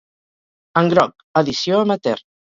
En groc: edició amateur.